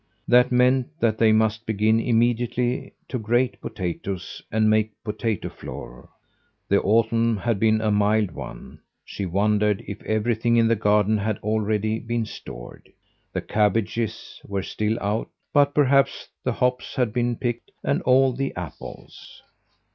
That meant that they must begin immediately to grate potatoes and make potato flour. The autumn had been a mild one; she wondered if everything in the garden had already been stored. The cabbages were still out, but perhaps the hops had been picked, and all the apples.